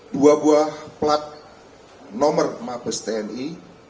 dua buah plat nomor mabes tni